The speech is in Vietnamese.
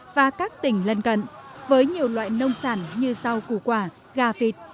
và các tỉnh lân cận với nhiều loại nông sản như rau củ quả gà vịt